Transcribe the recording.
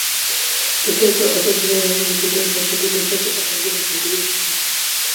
De feito, é considerado un dos pintores arxentinos máis importantes da centuria pasada.